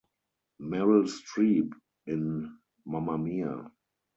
Meryl Streep in Mamma Mia.